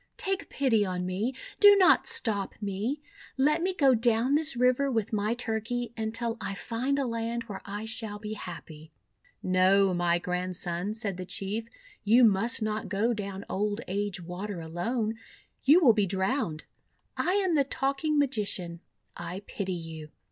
Take pity on me! Do not stop me! Let me go down this river with my Turkey, until I find a land where I shall be happy." "No, my Grandson," said the Chief. 'You must not go down Old Age Water alone. You wTill be drowned. I am the Talking Magician. I pity you."